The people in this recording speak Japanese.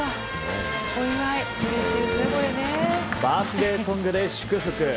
バースデーソングで祝福。